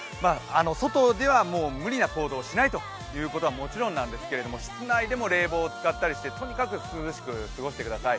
外では無理な行動はしないのはもちろんですけれども、もちろんなんですけど室内でも冷房を使ったりしてとにかく涼しく過ごしてください。